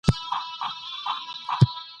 خوشبین اوسئ.